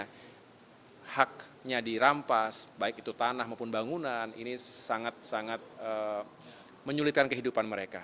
karena haknya dirampas baik itu tanah maupun bangunan ini sangat sangat menyulitkan kehidupan mereka